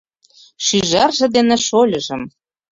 Шӱжарже дене шольыжым